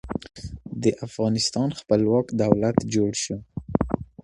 د افغانستان خپلواک دولت جوړ شو.